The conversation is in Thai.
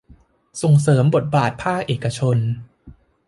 ส่งเสริมบทบาทภาคเอกชน